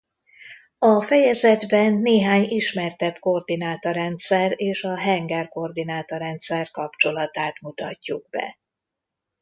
A fejezetben néhány ismertebb koordináta-rendszer és a hengerkoordináta-rendszer kapcsolatát mutatjuk be.